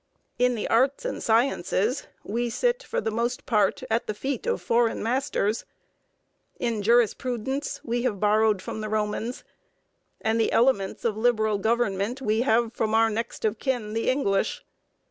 In the arts and sciences we sit, for the most part, at the feet of foreign masters; in jurisprudence we have borrowed from the Romans, and the elements of liberal government we have from our next of kin, the English.